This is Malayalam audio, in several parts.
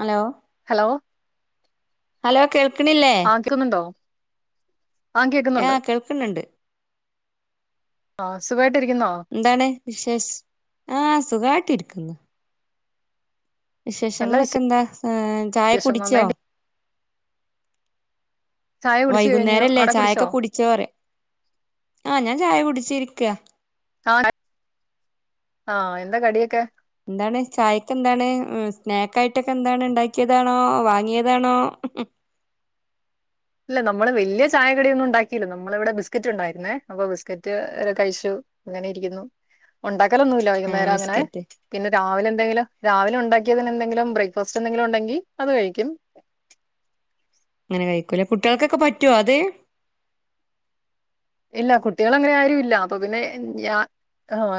ഹലോ ഹലോ ഹലോ കേൾക്കണില്ലേ ആ കേക്കുന്നുണ്ടോ ആ ഹ കേക്കുന്നുണ്ട് കേൾക്കുന്നുണ്ട് ആ സുഖ എന്താണ് വിശേഷ ആ സുഖമായിട്ടിരിക്കും പി പിന്ന നല്ല വിശേഷങ്ങളൊക്കെ എന്താ ആ ചായ വിശേഷം കുടിച്ചോ നന്നായിട്ട് ചായ കുടിച്ചു കഴിഞ്ഞു വൈകുന്നേരല്ലേ അവിടെ കുടിച്ചോ ചായൊക്കെ കുടിച്ച പറ ആ ഞാൻ ചായ കുടിച്ചിരിക്ക ആണ് ആ എന്താ കടിയൊക്കെ എന്താണ് ചായക്കെ എന്താണ് സ്നാക്ക് ആയിട്ടൊക്കെ എന്താണ് ഉണ്ടാക്കിയതാണോ വാങ്ങിയതാണോ ഇല്ല നമ്മള് വല്യ ചായകടിയ ഒന്നും ഉണ്ടാക്കില്ലോ നമ്മൾ ഇവിടെ ബിസ്ക്കറ്റ് ഉണ്ടായിരുന്നേ അപ്പൊ ബിസ്കറ്റ് ഒരു കഴിച്ചു അങ്ങനെ ഇരിക്കുന്നു ഉണ്ടാക്കി അക്കലൊന്നുമല്ല ആഹ് വൈകുന്നേരം അങ്ങനെ ബിസ്ക്കറ്റ് പിന്നെ രാവിലെ എന്തെങ്കിലും രാവിലെ ഉണ്ടാക്കിയതിനന് എന്തെങ്കിലും ബ്രേക്ക്ഫാസ്റ്റ് എന്തെങ്കിലും ഉണ്ടെങ്കിൽ അത് കഴിക്കും അങ്ങനെ കഴിക്കൂല്ലെ കുട്ടികൾക്കൊക്കെ പറ്റുവ അത് ഇല്ല കുട്ടികൾ അങ്ങനെ ആരുും ഇല്ല അപ്പൊ പിന്നെ ഞാ ആഹ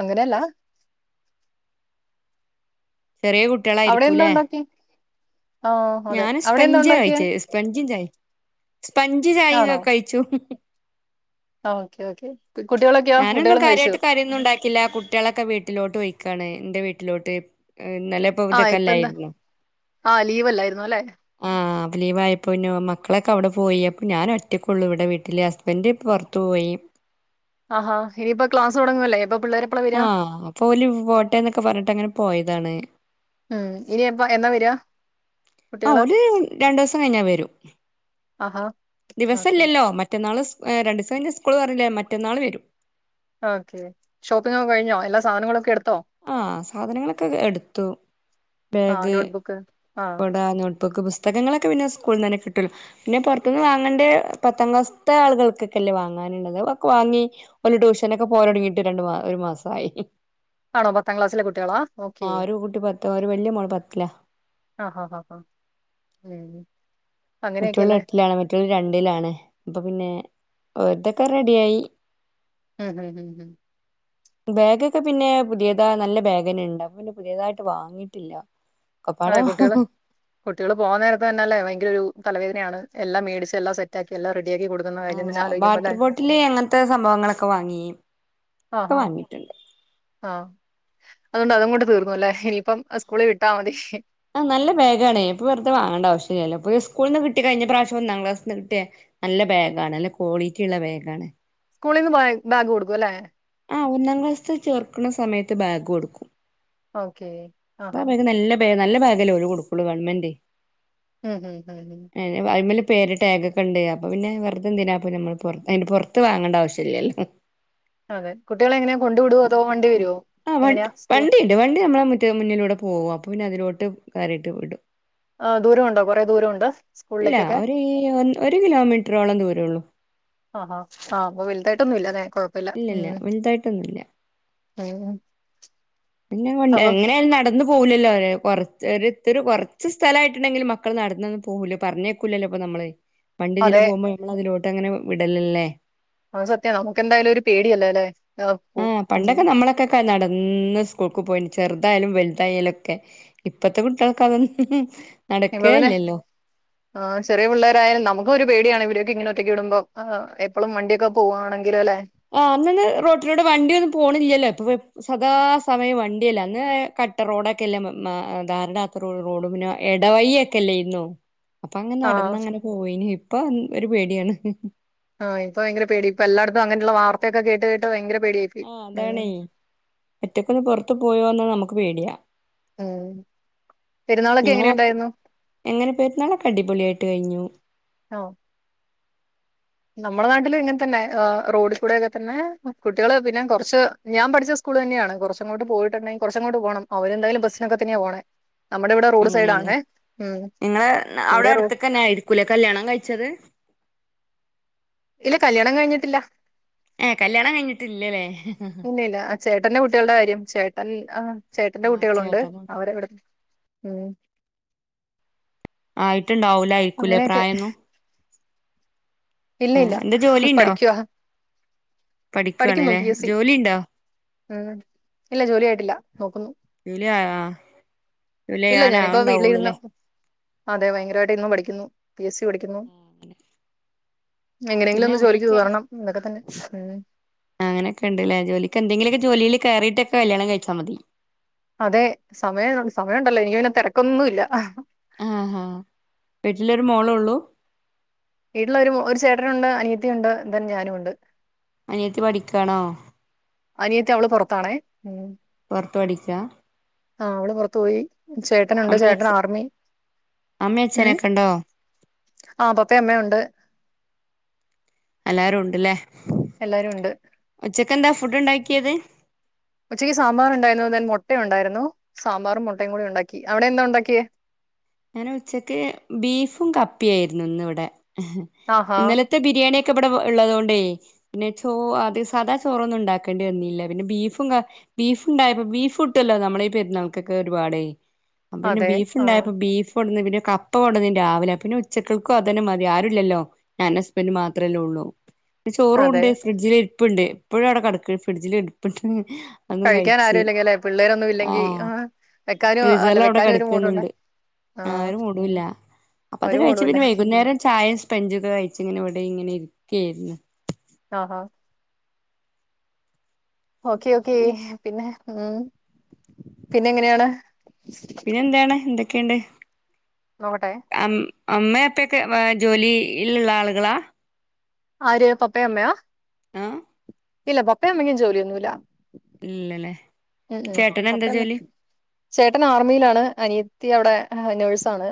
അങ്ങനെയല്ല ചെറിയ അവിടെ എന്താ കുട്ടികളായിരിക്കൂല്ലെ ഉണ്ടാക്കി ആ അതെ ഞൻ അവിടെ എന്താ സ്പഞ്ച് ഉണ്ടാക്കിയേ കായിച്ച സ്പഞ്ചും ചായ സ്പഞ്ച് ചായ എന്നൊക്കെ കഴിച്ചു ആ ഓക്കെ ഓക്കെ കുട്ടികളൊക്കെയോ ഞാനൊന്നും കുട്ടികളും കഴിച്ചു കാര്യമായിട്ട് കയന്നും ഉണ്ടാക്കില്ല കുട്ടികളൊക്കെ വീട്ടിലോട്ട് പോ യ്ക്കാണ് എൻറെ വീട്ടിലോട്ട് നല്ലപ്പതൊക്കെല്ലായിരുന്നു ആ ലീവ് ലായിരുന്നു അല്ലെ ആ അ പ്പോ ലീവ് ആയപ്പോന്ന മക്കളൊക്കെ അവിടെ പോയി അപ്പൊ ഞാൻ ഒറ്റക്കൊുള്ളു ഇവിടെ വീട്ടിലെ ഹസ്ബൻഡ പുറത്തു പോയി ആഹാ ഇനിയിപ്പൊ ക്ലാസ് തുടങ്ങുവല്ലേ ഇപ്പൊ പിള്ളേര് എപ്പളാ വരിക ആഹ അപ്പൊല പോട്ടെന്നൊക്കെ പറഞ്ഞിട്ട് അങ്ങനെ പോയതാണ് ഉം ഇനി എപ്പ എന്നാ വരിക ആ കുട്ടികള് ഒരു രണ്ട ദിവസം കഴിഞ്ഞാൽ വരും ആഹാ ഓക്കെ ദിവസല്ലല്ലോ മറ്റന്നാള് സ് രണ്ട ദിവസം സ്കൂള് പറഞ്ഞില്ലേ മറ്റന്നാൾ വരും ഓക്കെ ഷോപ്പിംഗ് ഒക്കെ കഴിഞ്ഞോ എല്ലാ സാധനങ്ങളൊക്കെ എടുത്തോ ആ സാധനങ്ങളൊക്കെ എടുത്തു ആഹ് ബാഗ് നോട്ട്ബുക്ക് ആഹ് പടാനോ [unintelligible] ബുക്ക്‌ പുസ്തകങ്ങളൊക്കെ പിന്നെ സ്കൂളിന് തന്നെ കിട്ടുല്ലോ പിന്നെ പുറത്തുനിന്ന് വാങ്ങേണ്ടേ പത്താം ക്ലാസത്തെ ആളുകൾക്കൊക്കെല്ലേ വാങ്ങാനുള്ളത് വാങ്ങി ഓന്ട്യൂഷനൊക്കെ പോരനെരിങ്ങീട്ട് രണ്ട് മാസമായി ഒരു മാസമായി ആണോ പത്താം ക്ലാസ്സിലെ കുട്ടികളാ ഓക്കെ ആ ഒരു കുട്ടി പത്ത് ഒരു വല്യമോൾ പത്തിലാ ആഹ് ഹാ ഹാ ഉം മറ്റെള് അങ്ങനെയൊക്കെയല്ലേ എട്ടിലാണ് മറ്റെര് രണ്ടിലാണ് ഇപ്പൊ പിന്നെ ഒതൊക്കെ റെഡിയായി ഹ ഹ ഹ ബാഗ് ഒക്കെ പിന്നെ പുതിയതാ നല്ല ബാഗ് തന്നെ ഇണ്ട് അപ്പൊ പിന്നെ പുതിയതായിട്ട് വാങ്ങിയിട്ടില്ല ഒക്കപ്പാടെ അതെ കുട്ടികള് കുട്ടികള് പോകാൻ നേരത്തെ തന്നെ അല്ലേ ഭയങ്കര ഒരു തലവേദയാണ് എല്ലാം മേടിച്ച് എല്ലാം സെറ്റാക്കി എല്ലാം റെ ആഹ് വാട്ടർ ബോട്ടില് എങ്ങനത്തെ സംഭവങ്ങളൊക്കെ വാങ്ങി ഇപ്പൊ വാങ്ങിട്ടുണ്ട് ആഹ അതുകൊണ്ട് അതുകൊണ്ട് തീർന്നുല്ലേ ഇനിയിപ്പം സ്കൂളിൽ വിട്ടാ മതി ആ നല്ല ബാഗാണ് ഇപ്പ വെറുതെ വാങ്ങേണ്ട ആവശ്യയില്ലല്ലോ ഇപ്പ സ്കൂളിൽനിന്ന് കിട്ടി കഴിഞ്ഞ പ്രാവശ്യം ഒന്നാം ക്ലാസിൽ നിന്ന് കിട്ടിയാ നല്ല ബാഗാണ് നല്ല ക്വാളിറ്റിയുള്ള ബാഗാണ് സ്കൂളിൽ നിന്ന് ബാഗ് കൊടുക്കും അല്ലെ ആ ഒന്നാം ക്ലാസ്സത്ത് ചേർക്കുന്ന സമയത്ത് ബാഗ് കൊടുക്കും ഓക്കെ ആ അപ്പ ഹാ ബാഗ് നല്ല ബാഗ് നല്ല ബാഗല്ലേ ഓരു കൊടുക്കുള്ളൂ ഗവൺമെന്റ് ഉം ഉം ഉം അയ്മല് പേര് ടാഗോക്കെ ഒണ്ട് അപ്പൊ പിന്നെ വെറുതെന്തിനാപ്പ നമ്മൾ പുറ അതി പുറത്ത് വാങ്ങണ്ട ആവശ്യ ഇല്ലല്ലോ അ കുട്ടികളെങ്ങനെയ കൊണ്ട് വിടുവോ അതോ വണ്ടി വരുവോ ആ എങ്ങനെയാ സ്കൂൾ വണ്ടിയുണ്ട് വണ്ടി നമ്മളെ മുറ്റത്ത് മുന്നിലൂടെ പോകും അപ്പൊ പിന്നെ അതിലോടെ ട്ട് കയറിയിട്ട് വിടും ആ ദൂരമുണ്ടോ കൊറേ ദൂരമുണ്ട് ഇല്ല സ്കൂളിലേക്കൊക്കെ ഒരു ഈ ഒരു കിലോമീറ്ററോളം ദൂരള്ളു ആ ആ ആ അപ്പൊ വലുതായിട്ടൊന്നും ഇല്ലല്ലേ ഇല്ല ഇല്ല വലുതായിട്ടൊന്നുംല്ല ഉം പിന്നെ അപ്പൊ എങ്ങനെയാലും നടന്നു പോകൂലല്ലോ അവര് കൊറച്ച് ച ഇത്തിരി ഒരു കുറച്ച് സ്ഥലയിട്ടുണ്ടെങ്കില് മക്കൾ നടന്ന് പോകൂല പറഞ്ഞേക്കൂല്ലല്ലോ ഇപ്പൊ നമ്മള് പണ്ഡിതിലെ അതെ പോകുമ്പോ നമ്മളതിലോ ഇങ്ങനെ വിടലല്ലേ അത് സത്യവ നമുക്ക് എന്തായാലും ഒരു പേടിയല്ലോ അല്ലെ ആ പണ്ടൊക്കെ നമ്മളൊക്കെക്ക നടന്ന ന്ന് സ്കൂൾക്ക് പോയിണ്ട് ചെറുതായാലും വലുതായാലൊക്കെ ഇപ്പത്തെ കുട്ടോൾക്ക് അതൊ ഹ് ഹ് ഹ് നടക്കേ എല്ലല്ലോ ആഹ് ചെറിയ പിള്ളേരായാൽ നമുക്കൊരു പേടിയാണ് ഇവരൊക്കെ ഇങ്ങനൊറ്റക്ക്‌വിടുമ്പോ ആഹ് എപ്പളും വണ്ടിഒക്കെ പോവാണെങ്കി ആ അന്നന്ന് റോട്ടിലൂടെ വണ്ടിഒന്നും പോണില്ലല്ലേ സദാ സമയം വണ്ടിയല്ലേ അന്ന് കട്ടരേ റോഡൊക്കല്ലേ താറിടാത്ത റോഡ്റോഡും പിന്നെ എടവയിഒക്കെല്ലേര്ന്നു അപ്പ അങ്ങനാ ആ നടന്നങ്ങനെപോയിന് ഇപ്പഎൻ ഒരു പേടിയാണ് ഹ് ഹ് ആഹ ഇപ്പ ഭയരപേടി ഇപ്പ എല്ലാട്ത്തും അങ്ങനുള്ള വാർത്തൊക്കെ കേട്ട് കേട്ട് ഭയങ്കര പേടിയായിപ്പോയി ആ ഉം അതാണേ ഒറ്റക്കൊന്ന് പൊറത്ത് പോയിവന്നനമക്ക് പേടിയാ ഉം പെരുന്നാളൊക്കെ നിങ്ങളവ എങ്ങനെയുണ്ടായിരുന്നു എങ്ങനെ പെരുന്നാളൊക്കെ അടിപൊളിയായിട്ട് കഴിഞ്ഞു നമ്മടെ നാട്ടില് ഇങ്ങനത്തന്നെ എഹ് റോഡികൂടെ ഒക്കെതന്നെ കുട്ട്യോള് പിന്നെ കൊറച്ച് ഞാൻപഠിച്ച സ്കൂള് തന്നെയാണ് കൊറച്ചങ്ങോട്ട് പോയിട്ടന്നേ കൊറച്ചങ്ങോട്ട് പോണം അവരെന്തായാലും ബസ്സിനൊക്കെ തന്നെയാ പോണേ നമ്മുടെ ഇവിടെ റോഡ് അങ്ങനെയാണ് സൈഡാണേ ഉം നിങ്ങള് അവിടെ ഇവിടെ റോ അടുത്തക്കന്നെ ആയിരിക്കൂലേ കല്യാണം കഴിച്ചത് ഇല്ല കല്യാണം കഴിഞ്ഞിട്ടില്ല ഏ കല്യാണം കഴിഞ്ഞിട്ടില്ലലെ ഇല്ല ഇല്ല അറ്റ് ചേട്ടന്റെ കുട്ടികൾടെ കാര്യം ചേട്ടൻ ആഹ് ചേട്ടന്റെ ആഹ് കുട്ടികളുണ്ട് ചേട്ടനും അവരെവിട ഇമ് ആയി് ഇട്ടുണ്ടാവൂലായ്ക്കുലേ പ്രായൊന്നും ഇല്ല ആ ഇല്ല എന്തു ജോലിണ്ടോ? പഠിക്കുവാ പഠിക്കുന്നു പഠിക്കാണ്ലെ പി എസ് സി ജോലിണ്ടോ? ഉം ഇല്ല ജോലി ആയിട്ടില്ല നോക്കുന്നു ഇല്ല ആഹ് ഇല്ല ഞാനിപ്പോ വീട്ടിലിരുന്ന് ഞാനാവുണ്ടാവുള്ളൂല്ലേ അതെ ഭയങ്കരമായിട്ട് ഇന്നും പഠിക്കുന്നു പി എസ് സി പഠിക്കുന്നു [inaudible] എങ്ങനെയെങ്കിലും പിന്നെ ഒന്ന് ജോലിക്ക് അങ്ങനൊക്കെയാണ് കേറണം എന്നൊക്കെ തന്നെ ഉം അങ്ങനൊക്കെഇണ്ട്ല്ലേ ജോലിക്ക് എന്തെങ്കിലൊക്കെ ജോലീല് കയറിയിട്ടൊക്കെ കല്യാണം കഴിച്ചാ മതി അതെ സമയടെണ്ട് സമയഉണ്ടല്ലോ എനക്ക് പിന്നെ തെരക്കൊന്നുല്ല അഹ് ആഹ് ഹാ വീട്ടിലൊരു മോളൊള്ളൂ വീട്ടിലൊരു ഒരു ചേട്ടനുണ്ട് അനിയത്തിയുണ്ട് തെൻ ഞാനുണ്ട് അനിയത്തി പഠിക്കാണോ അനിയത്തി അവള് പുറത്താണേ ഉ പൊറത്ത് പഠിക്കാ ആഹ അവള് പുറത്തുപോയി ചേട്ടനുണ്ട് അമ്മ ചേട്ടൻ അച്ഛ ആർമി അമ്മ ഇമ് അച്ഛനൊക്കെ ഉണ്ടോ ആ പപ്പേംഅമ്മേംഉണ്ട് എല്ലാരും ഉണ്ട് ഇല്ലേ എല്ലാരും ഉണ്ട് ഉച്ചക്ക് എന്താ ഫുഡ് ഉണ്ടാക്കിയത് ഉച്ചക്ക് സാമ്പാറു ഉണ്ടായിരുന്നു, തെൻ മുട്ട ഉണ്ടായിരുന്നു സാമ്പാറും മുട്ടയും കൂടി ഉണ്ടാക്കി അവിടെ എന്താ ഉണ്ടാക്കിയേ ഞാൻ ഉച്ചക്ക് ബീഫും കപ്പിയായിരുന്നു ഇന്ന് ഇവിടെ ആഹാ ഇന്നലത്തെ ബിരിയാണി ഇക്കാ ഇവിടെ ഉള്ളതൊണ്ടേ പിന്നെ ചോ അത് സാധാ ചോറൊന്നും ഉണ്ടാക്കേണ്ടി വന്നില്ല പിന്നെ ബീഫും ബീഫ് ഉണ്ടായപ്പോ ബീഫ് ഇട്ടല്ലോ നമ്മളുടെ ഈ പെരുന്നാൾക്കൊക്കെ ഒരുപാട് അതെ ആഹ് ഫ് കൊണ്ടുവന്നു പിന്നെ കപ്പ കൊണ്ടുവന്നു രാവിലെ പിന്നെ ഉച്ചകൾക്കും അതന്നെ മതി ആരുല്ലല്ലോ ഞാൻ ഹസ്ബൻഡും മാത്രമല്ലേ ഉള്ളൂ ചോറു അതെ ഉണ്ടേ ഫ്രീഡ്ജില് ഇപ്പുണ്ട് എപ്പോഴും അവിടെ കിടക്കുവാ ഫ്രിഡ്ജിൽ എടുപ്പുണ്ട് കഴിക്കൻ ആരു ഇല്ലെങ്കിൽ അല്ലെ പിള്ളേരൊന്നും ഇല്ലെങ്കി ആഹ് വെക്കാനും അല്ല വെക്കാനും ഒരു മൂഡ് ഉണ്ടാ ആ ഒരു മൂഡുമില്ല അപ്പൊ അത് ഒരു കഴിച്ച മൂടുല്ല പിന്നെ വൈകുന്നേരം ചായയും സ്പഞ്ചും ഒക്കെ കഴിച്ച് ഇങ്ങനെ ഇവിടെ ഇങ്ങനെ ഇരി [unintelligible] ആഹാ ഓക്കെ ഓക്കേ പിന്നെ ഉം പിന്നെ എങ്ങനെയാണ്? പിന്നെ എന്താണ് എന്തോ ക്കെയുണ്ട് നോക്കട്ടെ. അമ്മ അപ്പൊക്കെ ജോലിയിലുള്ള ആളുകളാ? ആര് പപ്പയമ്മയാ? ആഹ് ഇല്ല പപ്പേ അമ്മെക്കും ജോലിയൊന്നുമില്ല. ഇല്ലല്ലേ ഉം ഉം ചേട്ടന് എന്താ അപ്പെ ജോലി ചേട്ടൻ ആർമിയിലാണ് അനിയ ത്തി അവിടെ നേഴ്സാണ്.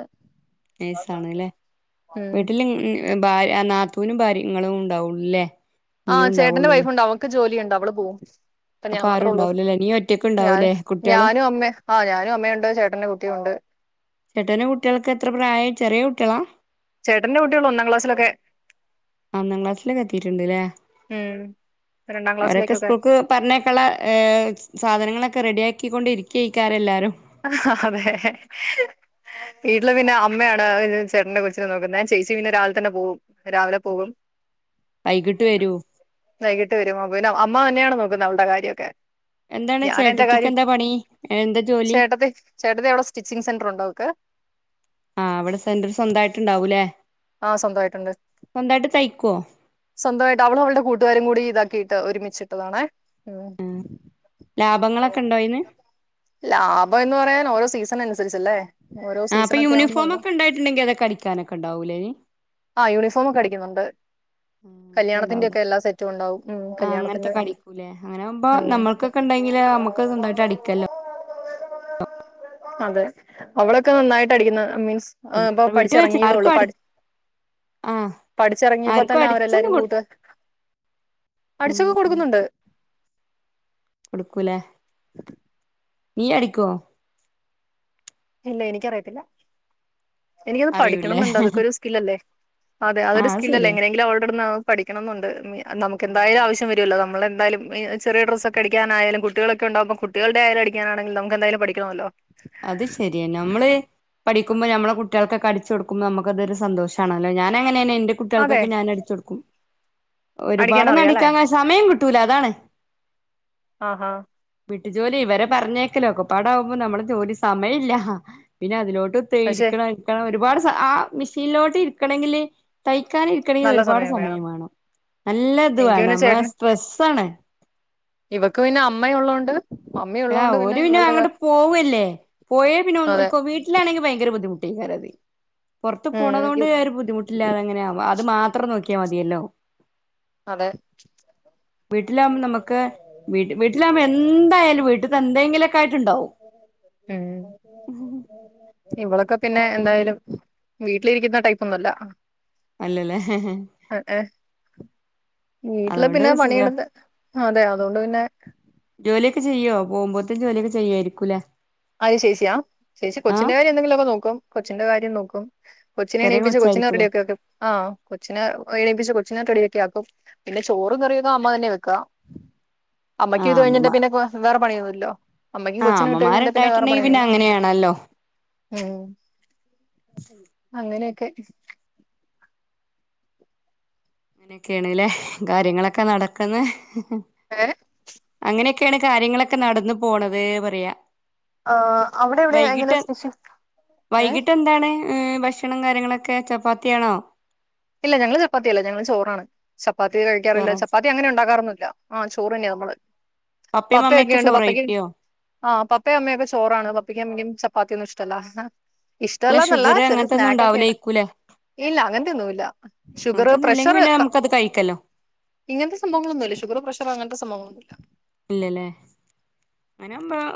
നേഴ്സാണ്ല്ലേ ഉം വീട്ടില് ഭാര് നാത്തുനും ഭാര്യങ്ങളും ഉണ്ടാവുള്ളല്ലേ? ആഹ് ചേട്ടന്റെ വൈഫുണ്ട് അവക്ക് ജോലിയു അവള് പോവും അപ്പ ഞാൻ അപ്പൊ ആരും മാത്രേ ഉള്ളൂ ഉണ്ടാവൂലല്ലേ നീ ഒറ്റക്ക് ഞാൻ ഉണ്ടാവൂലേ കുട്ടികളും ഞാനും അമ്മേ ആഹ് ഞാനും അമ്മയുണ്ട് ചേട്ടന്റെ കു ട്ടിയുണ്ട്. ചേട്ടന് കുട്ടികൾക്ക് എത്ര പ്രായം ചെറിയ കുട്ടികളാ? ചേട്ടന്റെ കുട്ടികൾ ഒന്നാം ക്ലാസ്സിലൊക്കെ ഒന്നാം ക്ലാസ്സിലൊക്കെ എത്തിയിട്ടുണ്ട്ല്ലേ? ഉം രണ്ടാം അവരൊക്കെ ക്ലാസ്സിലേക്കൊക്കെ സ്പൂൾക്ക് പറഞ്ഞേക്കെയുള്ള ഏഹ് സാധനങ്ങളൊക്കെ റെഡി ആ ക്കിക്കൊണ്ടരിക്കിയിക്കാെല്ലരും. അതെ വീട്ടില് പിന്നെ അമ്മയാണ് ചേട്ടന്റെ കൊച്ചിനെ നോക്കുന്നെ ഞാൻ ചേച്ചി പിന്നെ രാവിലെ തന്നെ പോകും രാവിലെ പോകും. വൈകിട്ട് വരൂ വൈകിട്ട് വരുമോ പിന്നെ ആപ് അമ്മ തന്നെയാണ് നോക്കുന്നെ അവൾടെ കാര്യൊക്കെ എന്താണ് ചേട്ടത്തിക്ക് എന്താ പണി എന്താ ജോ ചേട്ടത്തി ചേട്ട ത്തി എവിടെ സ്റ്റിച്ചിങ് സെന്റർറുണ്ട് അവൾ ക്ക് ആ അവിടെ സെന്റർ സ്വന്തമായിട്ട് ഇണ്ടാവൂല്ലേ ആ സ്വന്തമായിട്ടുണ്ട് തയ്ക്കുവോ സ്വന്തമായിട്ട് അവളും അവളുടെ കൂട്ടുകാരും കൂടി ഇതാ കീട്ട് ഒരുമിച്ചിട്ടതാണേ ഉം ലാഭങ്ങളൊക്കെ ഉണ്ടോ അയിന് ലാഭം എന്ന് പറയാൻ ഓരോ സീസണല്ലേ സല്ലേ ആ അപ്പൊ യൂണിഫോം ഒക്കെണ്ടായിട്ട്ണ്ടെങ്കി ൽ അതൊക്ക അടിക്കാനൊക്കെ ണ്ടാവൂലെനി ആ യൂണിഫോമൊക്കെ അടിക്കുന്നുണ്ട് അങ്ങനൊക്കെ കല്യാണത്തിന്റെ ഉണ്ടാവൂലേ ഒക്കെ എല്ലാ സെറ്റും ഉണ്ടാവും ഉം ആഹ് കല്യാണത്തിന്റെ അങ്ങനത്തൊക്കെ അടിക്കൂലേ അങ്ങനെ ആകുമ്പോ ഉം നമ്മൾക്കൊക്കെ ഉണ്ടെങ്കില് നമുക്ക് സ്വന്തമായിട്ട് അടിക്കല്ലോ അതെ അവളൊക്കെ നന്നായിട്ട് അടിക്കുന്ന മീൻസ് ആ ഇപ്പൊ നമ്മളെ വീട്ടിൽ പഠിച്ചി വെച്ച് ഇറങ്ങിയതേള്ളൂ ആർക്കും അടി പഠി ആഹ് പഠിച്ചിറങ്ങിയപ്പോ ആർക്കും തന്നെ അടിച്ചൊന്നും അവരെല്ലാരും കൊടു കൂട്ട് ഉം അടിച്ചൊക്കെ കൊടുക്കുന്നുണ്ട് കൊടുക്കൂലേ നീ അടിക്കോ ഇല്ല എനിക്കറിയത്തില്ല എനിക്കത് പഠിക്കണം അറിയൂല്ലേ എന്നുണ്ടോ അതൊക്കൊ ഒരു സ്കിൽ അല്ലേ അതെ ആ അതൊ അത് സ്കിൽ അല്ലേ ശരിയാ എങ്ങനെങ്കില് അവളു ടുന്നോ പഠിക്കണം എന്നുണ്ട് മി നമുക്ക് കെന്തായാലും ആവശ്യം വരുമല്ലോ നമ്മള് എ എന്താലും ചെറിയ ഡ്രസ്സൊക്കെ അ ടിക്കാനായാലും കുട്ടികളക്കെ ഉണ്ടാവുംമ്പം കുട്ടികളുടെയാലുംടിക്കാനാെങ്കിൽ നമുകെന്തായാലും പഠിക്കണല്ലോ അത് ശരിയാ നമ്മള് പഠിക്കുമ്പോ നമ്മളെ കു കുട്ടികൾക്കെടിച്ച കൊടുക്ക്മ്പോ നമുക്കതൊരു സന്തോഷണല്ലേ ഞാന് അങ്ങനെയെന്നെ എന്റെ അതെ കുട്ടികൾക്കൊക്കെഞൻ അടിച്ച് കൊടുക്കും അടിക്കാൻ ഒരുപാട് അറിയാം അല്ലേ നടിക്കാ സമയം കി ട്ടൂല അതാണ് ആ ഹാ വിട്ടു ജോലി ഇവരെ പറഞ്ഞേക്കലോക്കെപ്പാടെ ആക്മ്പോ നമ്മള് ജോലി സമയില്ല അ പിന്നെ അതിനോട് ഒരു പക്ഷെ [unintelligible] ഒരുപാട് സ ആ മിഷീൻലോട്ട് ഇരിക്കണങ്കില് തൈ ക്കാന് ഇരിക്കണേല് ഒരുപാട് സമയം വേണം നല്ല ത് എനിക്ക് വാണം പിന്നെ ചേട്ടൻ നമ്മളെ സ്ട്രസ്സാണ് ഇവക്ക് പിന്നെ അമ്മയുള്ളോണ്ട് ആ അമ്മയുള്ളോണ്ട് ഓല് പിന്നെ ഇവളുടെ കാ അങ്ങട്ട് പോവല്ലേ പോയേ പിന്നെ ഒ ഒ അതെ ഓൽക്ക് വീട്ടിലാണെങ്കിൽ ഭയങ്കര ബുദ്ധിമുട്ട് [unintelligible] പൊറത്ത് ഉം പോണതോണ്ട് യു ഒരു ബുദ്ധിമുട്ടില്ലാതെങ്ങനെ ആവ അത് മാത്രം നോക്കി ക്യ മതിയല്ലോ അതെ വീട്ടിലാവുമ്പ നമുക്ക് വീട്ടി വീട്ടിലാമ്പ എന്തായാലും വീട്ട എന്തെങ്കിലൊക്കെ ആയിട്ട് ണ്ടാവും ഉം ഉം ഇവളൊക്കെ പിന്നെ എന്തായാലും വീട്ടിലിരിക്കുന്ന ടൈപ്പൊന്നല്ല അല്ലല്ലേ വീട്ടില് അതോണ്ട് പിന്നെ സുഖാ പണിയെടുത്ത് അതെ അതൊണ്ട് പിന്നെ പോവുമ്പോതിന് ജോലിയൊക്കെ ചെയ്യായിരികുംല്ലേ അത് ചേച്ചിയാ ചേച്ചി കൊച്ചിന്റെ കാര്യം എന്തെങ്കിലോക്കെ നോക്കും കൊച്ചിന്റെ കാര്യം നോക്കും കൊച്ചിനെ ചെറിയ എണീപ്പിച്ച് കൊച്ചിനെ കൊച്ചായിരിക്കൂലേ റെഡിയൊക്കെക്കെ ആ കൊച്ചിനെ എണീപ്പിച്ച് കൊച്ചിനെ റെഡിയക് കെ അപ്പോ പിന്നെ ചോറും കറിയൊക്കെ അമ്മ തന്നെയാ വെക്കാ അമ്മയ്ക്ക് ആഹ് ഇത് കഴിഞ്ഞിട്ട് അമ്മമ്മ പിന്നെ വേ വേറെ പണിയ ല്ലോ അമ്മയ്കും കൊച്ചിനും ഇട്ടഴിഞ്ഞെന്താ ട്ടേട്ടണി പിന്നെ അങ്ങനെയാണല്ലോ. ഉം അങ്ങനെയൊക്കെ അങ്ങനെ ഒക്കേണ്ലെ കാര്യങ്ങളൊക്കെ നടക്കുന്ന്. ഏ അങ്ങനെയൊക്കെയാണ് കാര്യങ്ങളൊക്കെ നടന്നു പോണത് പറയാ. ആ അവ്ടെ എവിടെയാ വൈകിട്ട് എങ്ങനെ സപെഷ്യൽ ഏ ണം കാര്യങ്ങളൊക്കെ ചപ്പാത്തിയാണോ? ഇല്ല ഞങ്ങള് ചപ്പാത്തിയല്ല ഞങ്ങള് ചോറാണ് സ പാത്തി കഴിക്യാറില്ല ചോറ ചപ്പാത്തി എങ്ങനെ ഉണ്ടാക്കാറന്ന് ല്ല ആഹ് ചോറ്ന്നെയ നമ്മള് പപ്പയും മമ്മയൊക്കെ പപ്പയൊക്കെയുണ്ട് ചോറ് പപ്പയ്ക്ക് കഴിക്കോ ആ പപ്പേം അമ്മയൊക്കെ ചോറാണ് പപ്പക്കും അമ്മക്കും ചപ് പാത്തിയൊന്നും ഇഷ്ടല്ലാ അഹ അല്ല ഇഷ്ട്ടല്ലന്നല്ല ഷുഗർ ചെറിയ അങ്ങനത്തൊന്നും സ്നാക്ക് ഒക്കെ ആയ്ട്ട് ഉണ്ടാവൂലേക്കൂലേ ഇല്ല അങ്ങൻതെന്നുമില്ല. ഷുഗർ അങ്ങനത്തൊന്നും ഇല്ലെങ്കി പ്രഷർ പിന്നെ നമുക്കത് കഴിക്കല്ലോ ഇങ്ങനത്തെ സംഭവങ്ങളൊന്നുംല്ല ഷുഗർ പ്രഷർ അങ്ങന സഭവങ്ങളൊന്നുല്ല ഇല്ലല്ലേ അങ്ങനാവുമ്പം